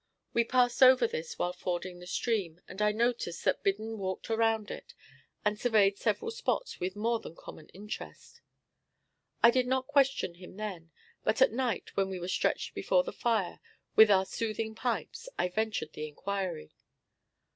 We passed over this while fording the stream, and I noticed that Biddon walked around it, and surveyed several spots with more than common interest. I did not question him then, but at night, when we were stretched before the fire, with our soothing pipes, I ventured the inquiry.